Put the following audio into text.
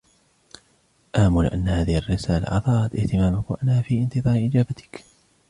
آمل أن هذه الرسالة أثارت اهتمامك و أنا في انتظار إجابتك.